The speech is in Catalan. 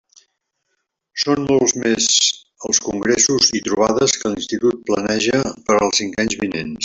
Són molts més els congressos i trobades que l'institut planeja per als cinc anys vinents.